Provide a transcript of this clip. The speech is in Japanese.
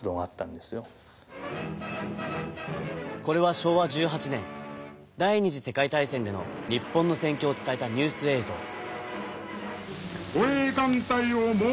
これは昭和１８年第２次世界大戦での日本の戦況を伝えたニュース映像。